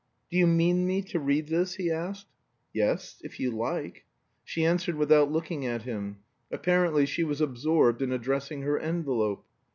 "Do you mean me to read this?" he asked. "Yes; if you like." She answered without looking at him; apparently she was absorbed in addressing her envelope.